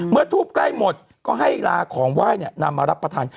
ทูบใกล้หมดก็ให้ลาของไหว้นำมารับประทาน